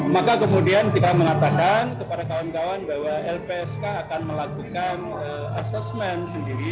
maka kemudian kita mengatakan kepada kawan kawan bahwa lpsk akan melakukan asesmen sendiri